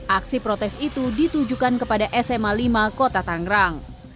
aksi protes itu ditujukan kepada sma lima kota tangerang